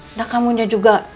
nah kamu nya juga